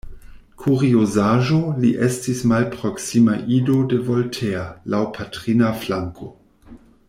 Kuriozaĵo: li estis malproksima ido de Voltaire, laŭ patrina flanko.